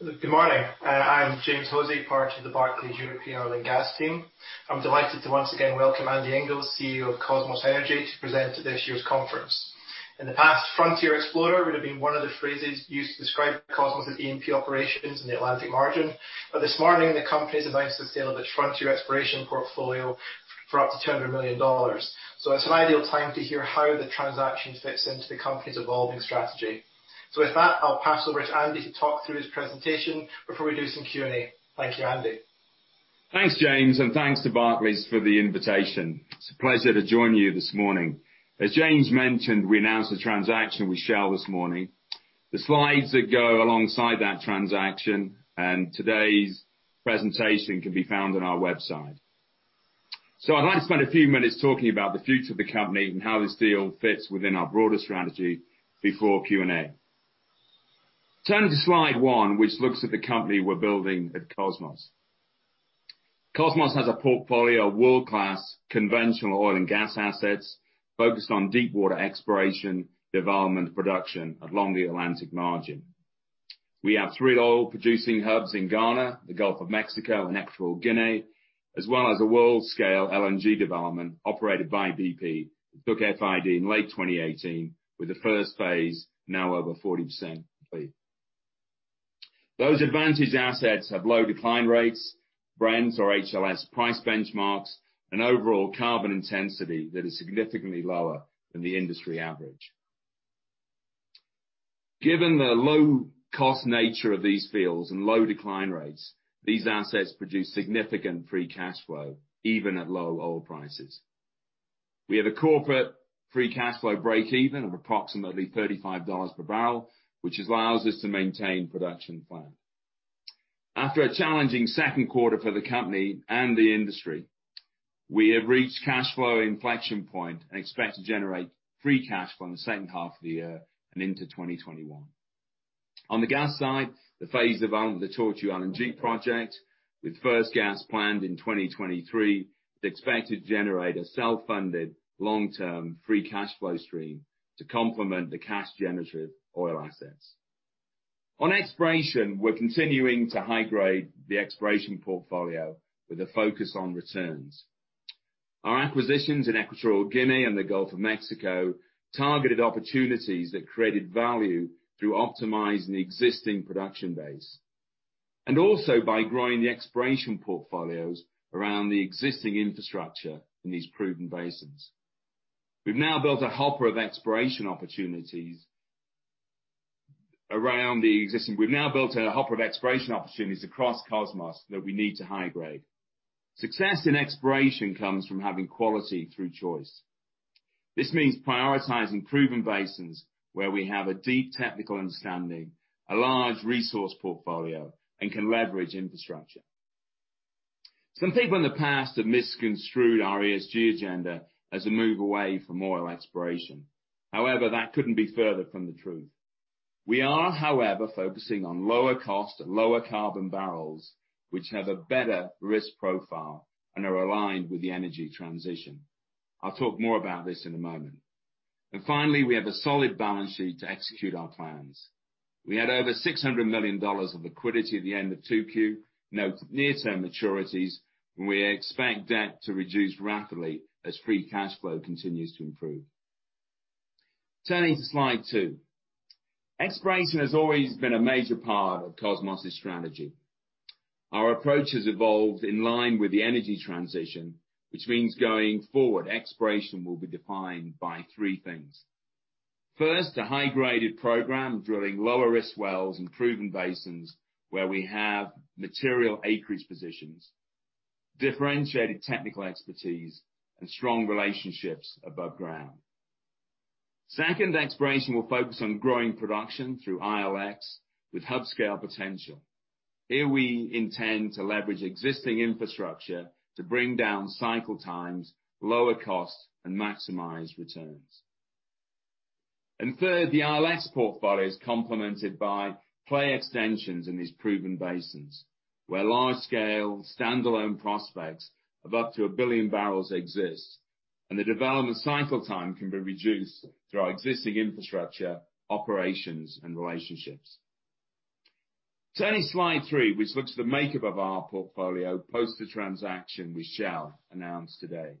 Good morning. I'm James Hosie, part of the Barclays European Oil and Gas team. I'm delighted to once again welcome Andy Inglis, CEO of Kosmos Energy, to present at this year's conference. In the past, frontier explorer would have been one of the phrases used to describe Kosmos' E&P operations in the Atlantic margin. This morning, the company's announced the sale of its frontier exploration portfolio for up to $200 million. It's an ideal time to hear how the transaction fits into the company's evolving strategy. With that, I'll pass over to Andy to talk through his presentation before we do some Q&A. Thank you, Andy. Thanks, James, thanks to Barclays for the invitation. It's a pleasure to join you this morning. As James mentioned, we announced the transaction with Shell this morning. The slides that go alongside that transaction and today's presentation can be found on our website. I'd like to spend a few minutes talking about the future of the company and how this deal fits within our broader strategy before Q&A. Turning to slide one, which looks at the company we're building at Kosmos. Kosmos has a portfolio of world-class conventional oil and gas assets focused on deepwater exploration, development, and production along the Atlantic margin. We have three oil-producing hubs in Ghana, the Gulf of Mexico, and Equatorial Guinea, as well as a world-scale LNG development operated by BP that took FID in late 2018 with the first phase now over 40% complete. Those advantage assets have low decline rates, Brent or HLS price benchmarks, and overall carbon intensity that is significantly lower than the industry average. Given the low cost nature of these fields and low decline rates, these assets produce significant free cash flow, even at low oil prices. We have a corporate free cash flow breakeven of approximately $35 per barrel, which allows us to maintain production plan. After a challenging second quarter for the company and the industry, we have reached cash flow inflection point and expect to generate free cash flow in the second half of the year and into 2021. On the gas side, the phase development of the Tortue LNG project with first gas planned in 2023, is expected to generate a self-funded long-term free cash flow stream to complement the cash generative oil assets. On exploration, we're continuing to high-grade the exploration portfolio with a focus on returns. Our acquisitions in Equatorial Guinea and the Gulf of Mexico targeted opportunities that created value through optimizing the existing production base, and also by growing the exploration portfolios around the existing infrastructure in these proven basins. We've now built a hopper of exploration opportunities across Kosmos that we need to high-grade. Success in exploration comes from having quality through choice. This means prioritizing proven basins where we have a deep technical understanding, a large resource portfolio, and can leverage infrastructure. Some people in the past have misconstrued our ESG agenda as a move away from oil exploration. However, that couldn't be further from the truth. We are, however, focusing on lower cost and lower carbon barrels, which have a better risk profile and are aligned with the energy transition. I'll talk more about this in a moment. Finally, we have a solid balance sheet to execute our plans. We had over $600 million of liquidity at the end of two Q, no near-term maturities. We expect debt to reduce rapidly as free cash flow continues to improve. Turning to slide two. Exploration has always been a major part of Kosmos' strategy. Our approach has evolved in line with the energy transition, which means going forward, exploration will be defined by three things. First, a high-graded program drilling lower risk wells in proven basins where we have material acreage positions, differentiated technical expertise, and strong relationships above ground. Second, exploration will focus on growing production through ILX with hub scale potential. Here we intend to leverage existing infrastructure to bring down cycle times, lower costs, and maximize returns. Third, the ILX portfolio is complemented by play extensions in these proven basins where large-scale standalone prospects of up to 1 billion barrels exist and the development cycle time can be reduced through our existing infrastructure, operations, and relationships. Turning to slide three, which looks at the makeup of our portfolio post the transaction we shall announce today.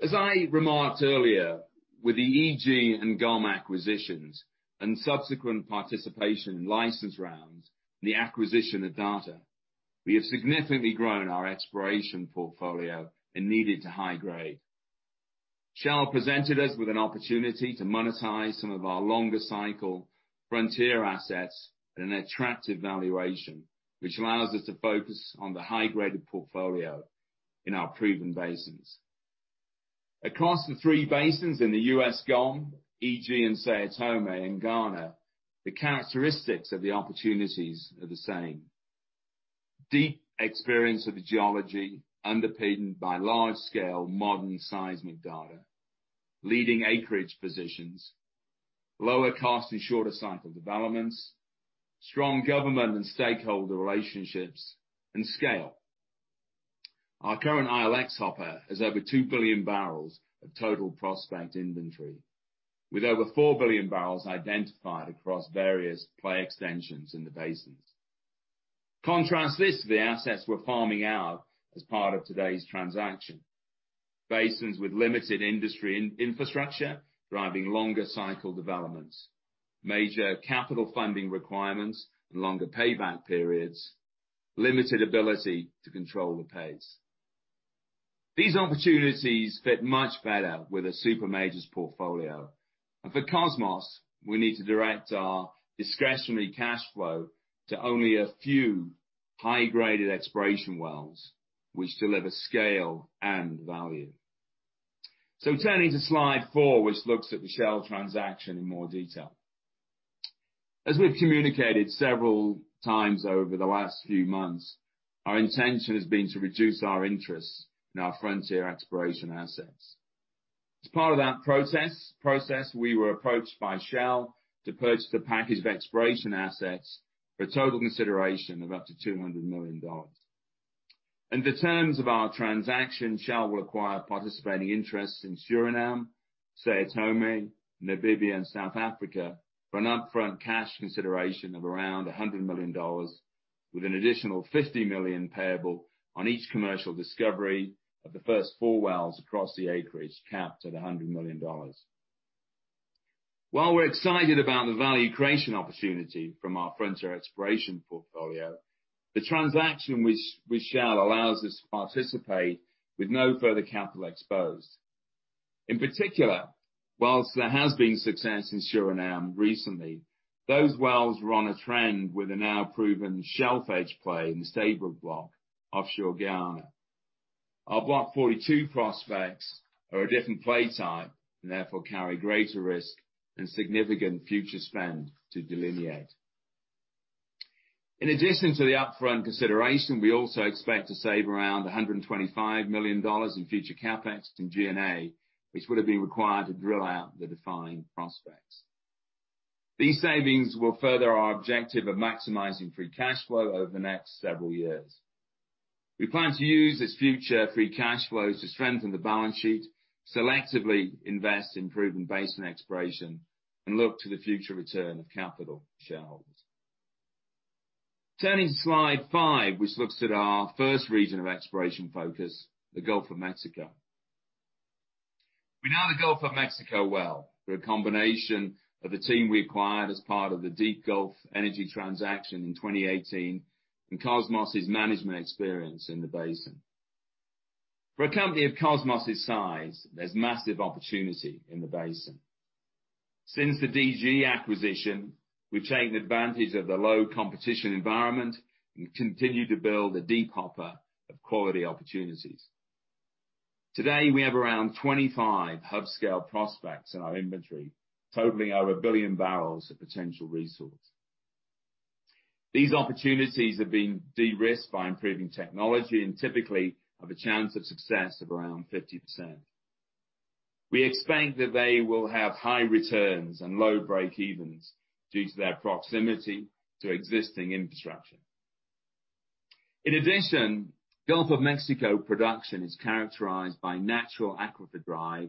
As I remarked earlier, with the EG and GOM acquisitions and subsequent participation in license rounds, the acquisition of data, we have significantly grown our exploration portfolio and need it to high grade. Shell presented us with an opportunity to monetize some of our longer cycle frontier assets at an attractive valuation, which allows us to focus on the high graded portfolio in our proven basins. Across the three basins in the U.S. GOM, EG in São Tomé and Ghana, the characteristics of the opportunities are the same. Deep experience of the geology underpinned by large-scale modern seismic data, leading acreage positions, lower cost and shorter cycle developments, strong government and stakeholder relationships and scale. Our current ILX hopper has over 2 billion barrels of total prospect inventory, with over 4 billion barrels identified across various play extensions in the basins. Contrast this to the assets we're farming out as part of today's transaction. Basins with limited industry infrastructure driving longer cycle developments, major capital funding requirements and longer payback periods, limited ability to control the pace. These opportunities fit much better with a super majors portfolio. For Kosmos, we need to direct our discretionary cash flow to only a few high-graded exploration wells, which deliver scale and value. Turning to slide four, which looks at the Shell transaction in more detail. As we've communicated several times over the last few months, our intention has been to reduce our interest in our frontier exploration assets. As part of that process, we were approached by Shell to purchase a package of exploration assets for a total consideration of up to $200 million. In the terms of our transaction, Shell will acquire participating interests in Suriname, São Tomé, Namibia, and South Africa for an upfront cash consideration of around $100 million, with an additional $50 million payable on each commercial discovery of the first four wells across the acreage, capped at $100 million. While we're excited about the value creation opportunity from our frontier exploration portfolio, the transaction with Shell allows us to participate with no further capital exposed. In particular, whilst there has been success in Suriname recently, those wells were on a trend with a now proven shelf edge play in the Stabroek Block offshore Guyana. Our Block 42 prospects are a different play type. Therefore carry greater risk and significant future spend to delineate. In addition to the upfront consideration, we also expect to save around $125 million in future CapEx and G&A, which would have been required to drill out the defined prospects. These savings will further our objective of maximizing free cash flow over the next several years. We plan to use this future free cash flow to strengthen the balance sheet, selectively invest in proven basin exploration, and look to the future return of capital to shareholders. Turning to slide five, which looks at our first region of exploration focus, the Gulf of Mexico. We know the Gulf of Mexico well through a combination of the team we acquired as part of the Deep Gulf Energy transaction in 2018 and Kosmos's management experience in the basin. For a company of Kosmos's size, there's massive opportunity in the basin. Since the DGE acquisition, we've taken advantage of the low competition environment and continue to build a deep hopper of quality opportunities. Today, we have around 25 hub scale prospects in our inventory, totaling over 1 billion barrels of potential resource. These opportunities have been de-risked by improving technology and typically have a chance of success of around 50%. We expect that they will have high returns and low breakevens due to their proximity to existing infrastructure. In addition, Gulf of Mexico production is characterized by natural aquifer drive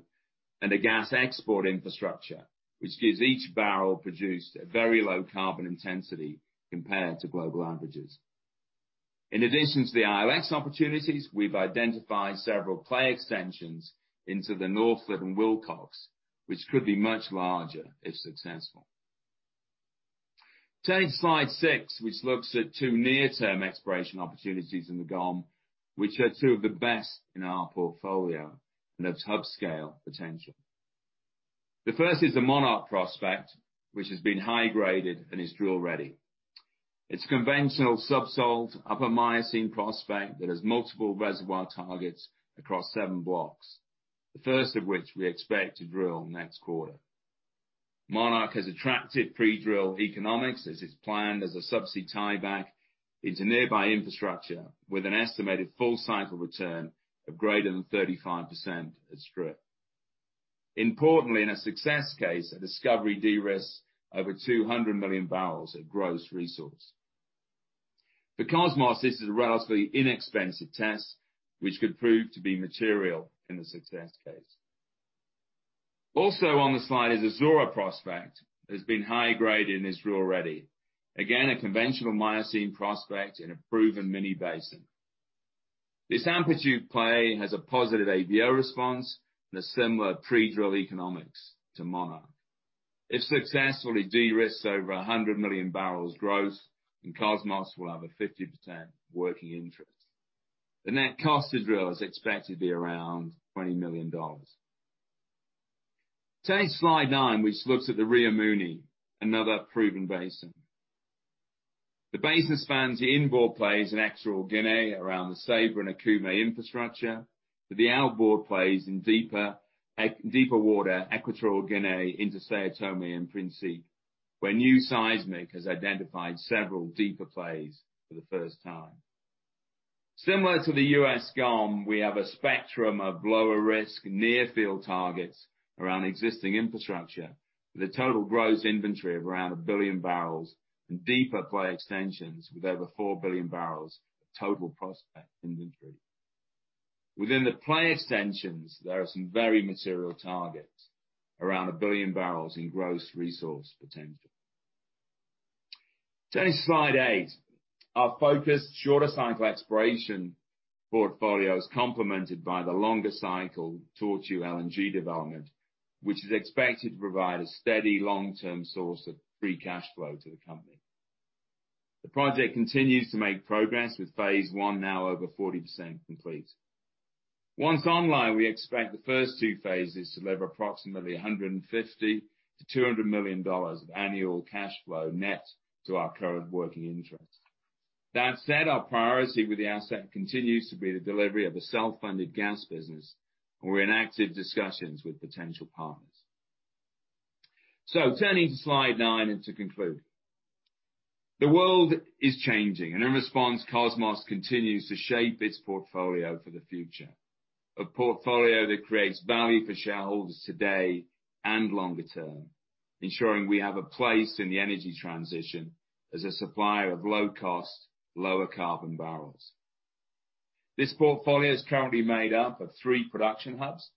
and a gas export infrastructure, which gives each barrel produced a very low carbon intensity compared to global averages. In addition to the ILX opportunities, we've identified several play extensions into the Norphlet Wilcox, which could be much larger if successful. Turning to slide six, which looks at two near-term exploration opportunities in the GoM, which are two of the best in our portfolio and have hub scale potential. The first is the Monarch prospect, which has been high-graded and is drill ready. It's a conventional subsalt upper Miocene prospect that has multiple reservoir targets across seven blocks, the first of which we expect to drill next quarter. Monarch has attractive pre-drill economics as it's planned as a subsea tieback into nearby infrastructure with an estimated full cycle return of greater than 35% at strip. Importantly, in a success case, a discovery de-risks over 200 million barrels of gross resource. For Kosmos, this is a relatively inexpensive test, which could prove to be material in the success case. On the slide is the Zora prospect. It has been high-graded and is drill ready. A conventional Miocene prospect in a proven mini basin. This amplitude play has a positive AVO response and a similar pre-drill economics to Monarch. If successfully de-risked over 100 million barrels gross, Kosmos will have a 50% working interest. The net cost to drill is expected to be around $20 million. Turning to slide nine, which looks at the Rio Muni, another proven basin. The basin spans the inboard plays in Equatorial Guinea around the Ceiba and Okume infrastructure, with the outboard plays in deeper water Equatorial Guinea into São Tomé and Príncipe, where new seismic has identified several deeper plays for the first time. Similar to the U.S. GoM, we have a spectrum of lower risk near-field targets around existing infrastructure, with a total gross inventory of around 1 billion barrels and deeper play extensions with over 4 billion barrels of total prospect inventory. Within the play extensions, there are some very material targets, around 1 billion barrels in gross resource potential. Turning to slide eight. Our focused shorter cycle exploration portfolio is complemented by the longer cycle Tortue LNG development, which is expected to provide a steady long-term source of free cash flow to the company. The project continues to make progress with phase one now over 40% complete. Once online, we expect the first two phases to deliver approximately $150 million-$200 million of annual cash flow net to our current working interest. That said, our priority with the asset continues to be the delivery of a self-funded gas business, and we're in active discussions with potential partners. Turning to slide nine and to conclude. The world is changing, and in response, Kosmos continues to shape its portfolio for the future. A portfolio that creates value for shareholders today and longer term, ensuring we have a place in the energy transition as a supplier of low cost, lower carbon barrels. This portfolio is currently made up of three production hubs,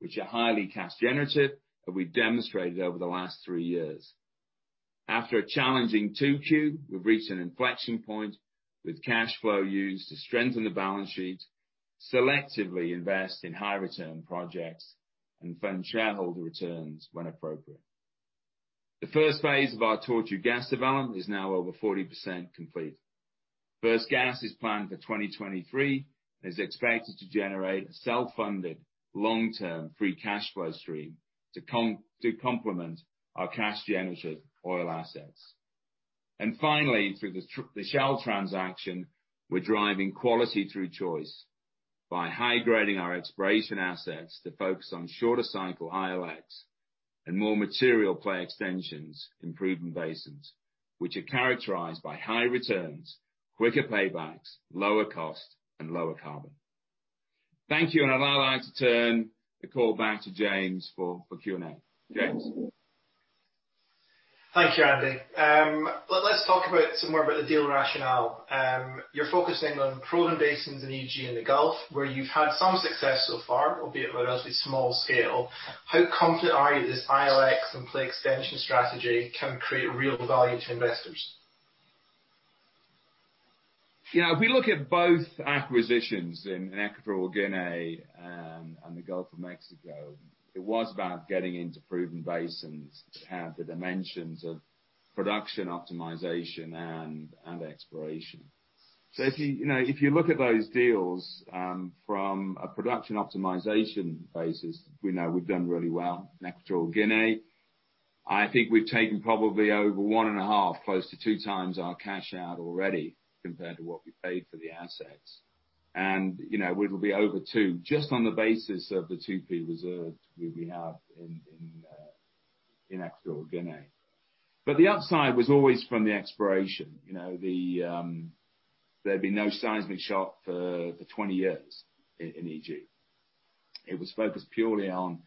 which are highly cash generative, and we demonstrated over the last three years. After a challenging 2Q, we've reached an inflection point with cash flow used to strengthen the balance sheet, selectively invest in high return projects, and fund shareholder returns when appropriate. The first phase of our Tortue LNG is now over 40% complete. First gas is planned for 2023 and is expected to generate a self-funded, long-term free cash flow stream to complement our cash generative oil assets. Finally, through the Shell transaction, we're driving quality through choice by high-grading our exploration assets to focus on shorter cycle ILX and more material play extensions in proven basins, which are characterized by high returns, quicker paybacks, lower cost, and lower carbon. Thank you, and allow me to turn the call back to James for Q&A. James? Thank you, Andy. Let's talk about some more about the deal rationale. You're focusing on proven basins in EG and the Gulf, where you've had some success so far, albeit on a relatively small scale. How confident are you this ILX and play extension strategy can create real value to investors? We look at both acquisitions in Equatorial Guinea and the Gulf of Mexico, it was about getting into proven basins that have the dimensions of production optimization and exploration. If you look at those deals from a production optimization basis, we know we've done really well in Equatorial Guinea. I think we've taken probably over one and a half close to two times our cash out already compared to what we paid for the assets. We will be over two just on the basis of the 2P reserves we have in Equatorial Guinea. The upside was always from the exploration. There'd been no seismic shot for 20 years in EG. It was focused purely on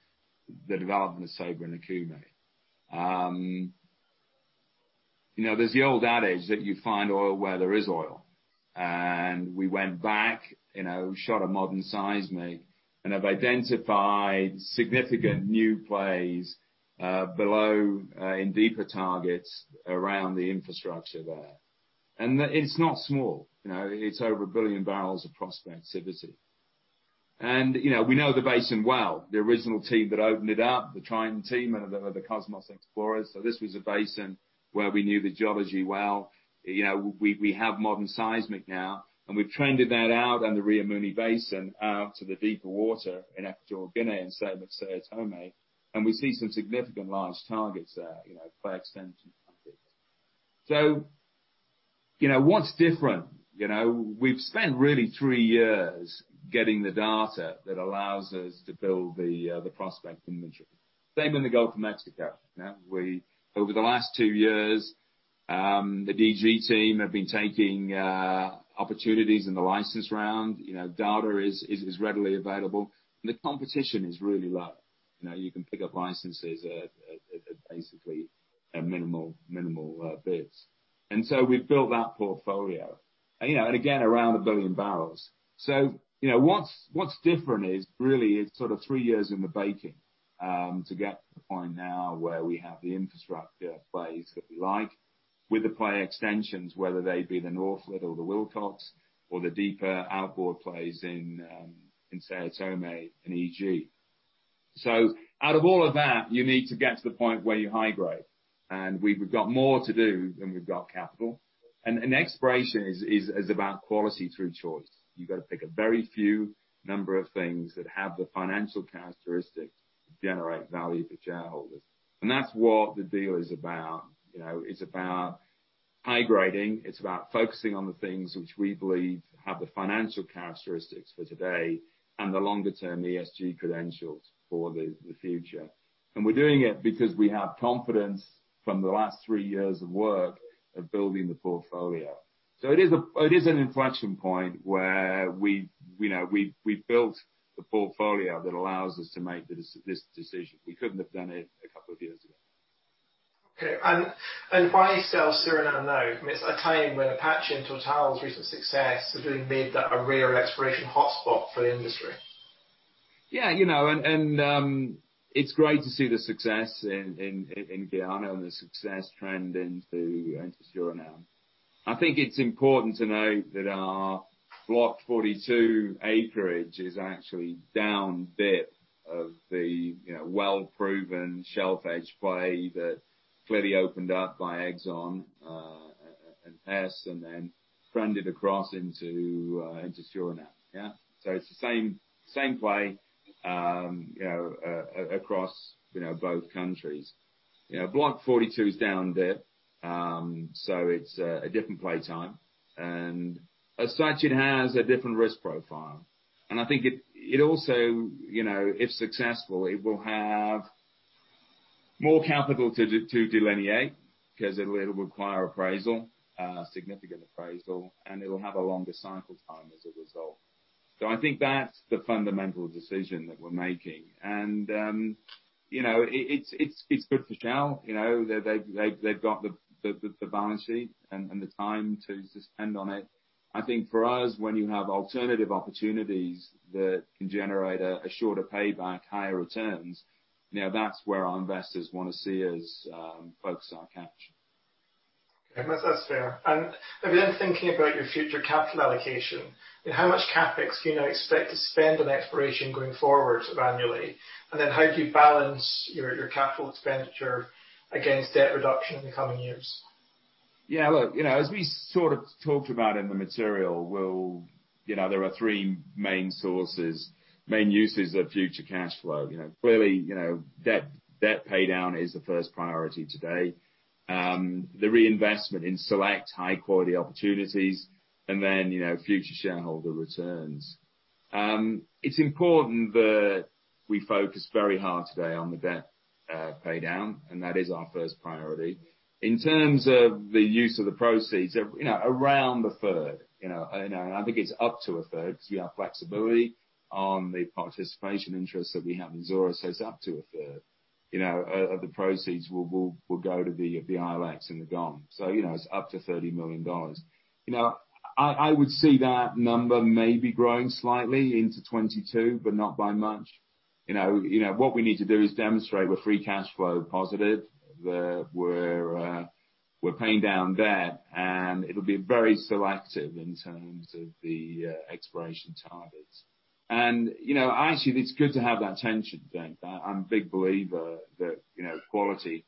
the development of Ceiba and Okume. There's the old adage that you find oil where there is oil. We went back, shot a modern seismic, and have identified significant new plays below in deeper targets around the infrastructure there. It's not small. It's over 1 billion barrels of prospectivity. We know the basin well. The original team that opened it up, the Triton team, and the Kosmos explorers. This was a basin where we knew the geology well. We have modern seismic now, and we've trended that out on the Rio Muni Basin out to the deeper water in Equatorial Guinea and São Tomé, and we see some significant large targets there, play extension targets. What's different? We've spent really three years getting the data that allows us to build the prospect inventory. Same in the Gulf of Mexico. Over the last two years, the DG team have been taking opportunities in the license round. Data is readily available, and the competition is really low. You can pick up licenses at basically minimal bids. We've built that portfolio. Again, around a billion barrels. What's different is really it's sort of three years in the baking to get to the point now where we have the infrastructure plays that we like with the play extensions, whether they be the Norphlet or the Wilcox or the deeper outboard plays in São Tomé and EG. Out of all of that, you need to get to the point where you high-grade. We've got more to do than we've got capital. Exploration is about quality through choice. You got to pick a very few number of things that have the financial characteristics to generate value for shareholders. That's what the deal is about. It's about high-grading. It's about focusing on the things which we believe have the financial characteristics for today and the longer-term ESG credentials for the future. We're doing it because we have confidence from the last three years of work of building the portfolio. It is an inflection point where we've built the portfolio that allows us to make this decision. We couldn't have done it a couple of years ago. Okay. Why sell Suriname now? It's a time when Apache and Total's recent success has really made that a real exploration hotspot for the industry. Yeah. It's great to see the success in Guyana and the success trend into Suriname. I think it's important to note that our Block 42 acreage is actually down dip of the well-proven shelf edge play that clearly opened up by Exxon and Hess, and then trended across into Suriname. Yeah? It's the same play across both countries. Block 42's down dip, so it's a different play time, and as such, it has a different risk profile. I think it also, if successful, it will have more capital to delineate because it will require appraisal, significant appraisal, and it will have a longer cycle time as a result. I think that's the fundamental decision that we're making. It's good for Shell. They've got the balance sheet and the time to spend on it. I think for us, when you have alternative opportunities that can generate a shorter payback, higher returns, that's where our investors want to see us focus our cash. Okay. That's fair. Have you been thinking about your future capital allocation? How much CapEx do you now expect to spend on exploration going forward annually? How do you balance your capital expenditure against debt reduction in the coming years? Yeah, look, as we sort of talked about in the material, there are three main uses of future cash flow. Clearly, debt pay down is the first priority today. The reinvestment in select high-quality opportunities and then future shareholder returns. It's important that we focus very hard today on the debt pay down, and that is our first priority. In terms of the use of the proceeds, around a third, and I think it's up to a third, because we have flexibility on the participation interests that we have in Zora says up to a third of the proceeds will go to the ILX and the GOM. It's up to $30 million. I would see that number maybe growing slightly into 2022, but not by much. What we need to do is demonstrate we're free cash flow positive, that we're paying down debt, and it'll be very selective in terms of the exploration targets. Actually, it's good to have that tension, then. I'm a big believer that quality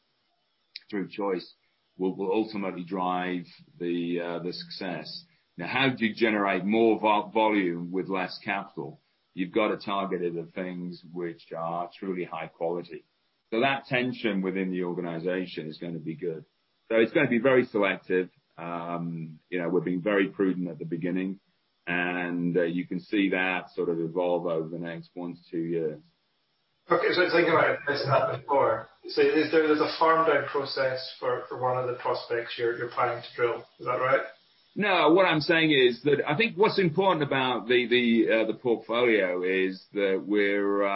through choice will ultimately drive the success. Now, how do you generate more volume with less capital? You've got to target the things which are truly high quality. That tension within the organization is going to be good. It's going to be very selective. We're being very prudent at the beginning, and you can see that sort of evolve over the next one to two years. Okay. Thinking about this and that before, so there's a farmed out process for one of the prospects you're planning to drill. Is that right? No. What I'm saying is that I think what's important about the portfolio is that we're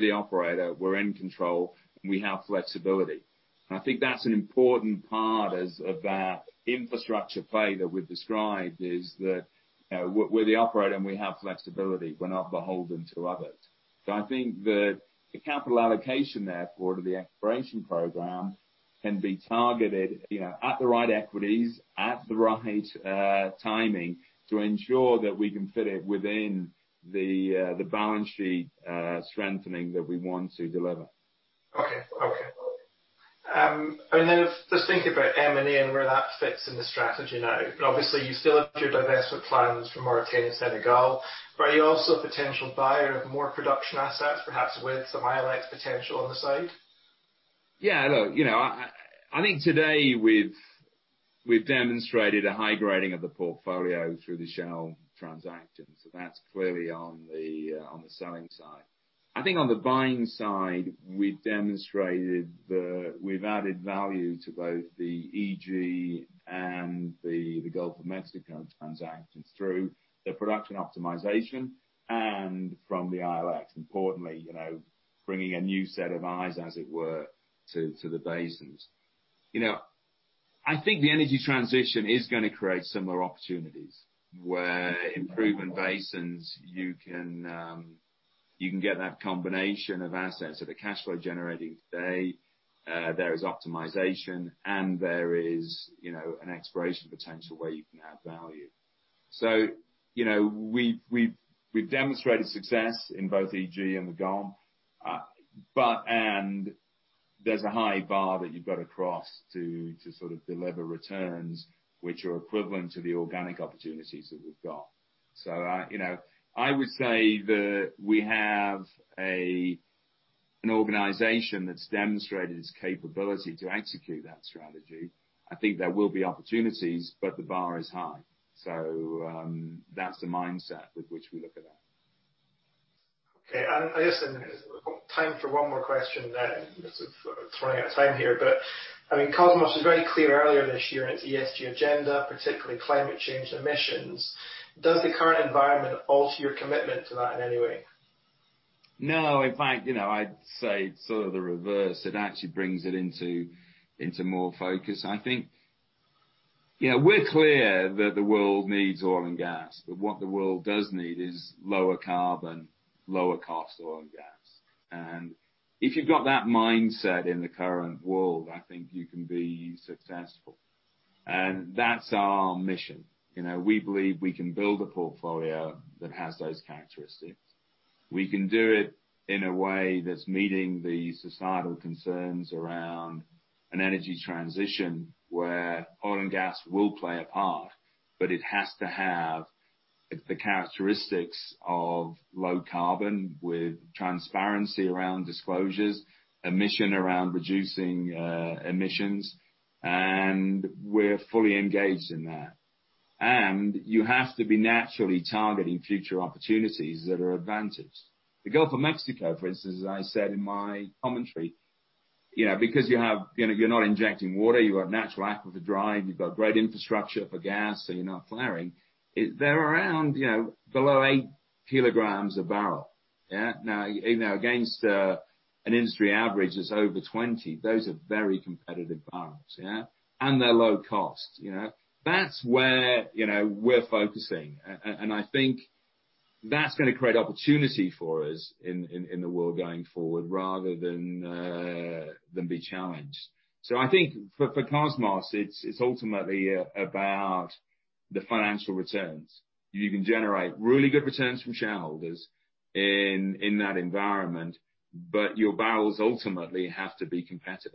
the operator, we're in control, and we have flexibility. I think that's an important part of that infrastructure play that we've described, is that we're the operator and we have flexibility. We're not beholden to others. I think that the capital allocation therefore to the exploration program can be targeted at the right equities, at the right timing to ensure that we can fit it within the balance sheet strengthening that we want to deliver. Okay. Just thinking about M&A and where that fits in the strategy now. Obviously you still have your divestment plans for Mauritania and Senegal, but are you also a potential buyer of more production assets, perhaps with some ILX potential on the side? Yeah, look, I think today we've demonstrated a high grading of the portfolio through the Shell transaction. That's clearly on the selling side. I think on the buying side, we've demonstrated that we've added value to both the EG and the Gulf of Mexico transactions through the production optimization and from the ILX, importantly bringing a new set of eyes, as it were, to the basins. I think the energy transition is going to create similar opportunities where improving basins, you can get that combination of assets that are cash flow generating today. There is optimization and there is an exploration potential where you can add value. We've demonstrated success in both EG and the GOM, and there's a high bar that you've got to cross to sort of deliver returns which are equivalent to the organic opportunities that we've got. I would say that we have an organization that's demonstrated its capability to execute that strategy. I think there will be opportunities, but the bar is high. That's the mindset with which we look at that. Okay. I guess there's time for one more question then. Sort of running out of time here. I mean, Kosmos was very clear earlier this year in its ESG agenda, particularly climate change emissions. Does the current environment alter your commitment to that in any way? No, in fact, I'd say it's sort of the reverse. It actually brings it into more focus. I think we're clear that the world needs oil and gas, but what the world does need is lower carbon, lower cost oil and gas. If you've got that mindset in the current world, I think you can be successful. That's our mission. We believe we can build a portfolio that has those characteristics. We can do it in a way that's meeting the societal concerns around an energy transition, where oil and gas will play a part, but it has to have the characteristics of low carbon with transparency around disclosures, emission around reducing emissions, and we're fully engaged in that. You have to be naturally targeting future opportunities that are advantaged. The Gulf of Mexico, for instance, as I said in my commentary, because you're not injecting water, you have natural aquifer drive, you've got great infrastructure for gas, so you're not flaring. They're around below eight kilograms a barrel. Yeah. Now, against an industry average that's over 20, those are very competitive barrels. Yeah. They're low cost. That's where we're focusing. I think that's going to create opportunity for us in the world going forward rather than be challenged. I think for Kosmos, it's ultimately about the financial returns. You can generate really good returns from shareholders in that environment, but your barrels ultimately have to be competitive.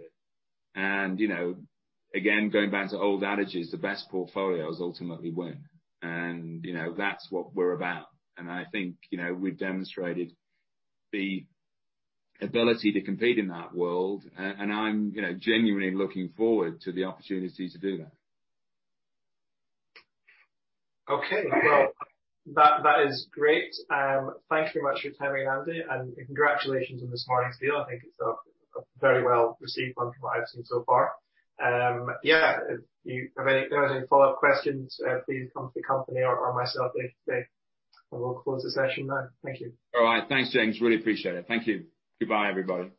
Again, going back to old adages, the best portfolios ultimately win. That's what we're about. I think we've demonstrated the ability to compete in that world. I'm genuinely looking forward to the opportunity to do that. Well, that is great. Thank you very much for your time, Andy, and congratulations on this morning's deal. I think it's a very well-received one from what I've seen so far. Yeah. If there are any follow-up questions, please come to the company or myself. I think we'll close the session now. Thank you. All right. Thanks, James. Really appreciate it. Thank you. Goodbye, everybody.